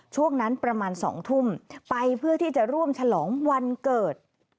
ช่วงนั้นประมาณ๒ทุ่มไปเพื่อที่จะร่วมฉลองวันเกิด